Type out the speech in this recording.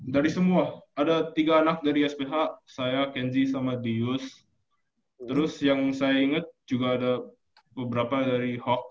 dari semua ada tiga anak dari sph saya kenzi sama dius terus yang saya ingat juga ada beberapa dari hoax